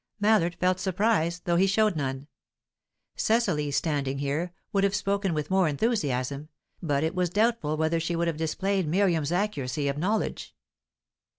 Mallard felt surprise, though he showed none. Cecily, standing here, would have spoken with more enthusiasm, but it was doubtful whether she would have displayed Miriam's accuracy of knowledge.